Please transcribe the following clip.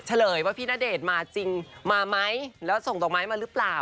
เฉลยว่าพี่ณเดชน์มาจริงมาไหมแล้วส่งดอกไม้มาหรือเปล่า